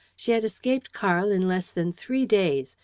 She had escaped Karl in less than three days!